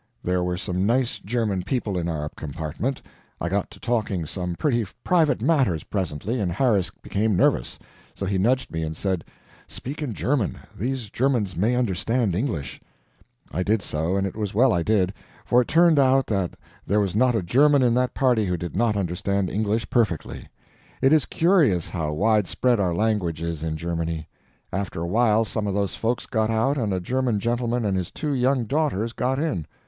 There were some nice German people in our compartment. I got to talking some pretty private matters presently, and Harris became nervous; so he nudged me and said: "Speak in German these Germans may understand English." I did so, it was well I did; for it turned out that there was not a German in that party who did not understand English perfectly. It is curious how widespread our language is in Germany. After a while some of those folks got out and a German gentleman and his two young daughters got in.